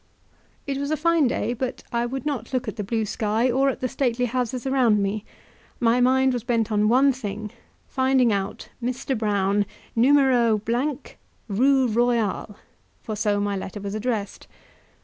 It was a fine day, but I would not look at the blue sky or at the stately houses round me; my mind was bent on one thing, finding out "Mr. Brown, Numero , Rue Royale," for so my letter was addressed.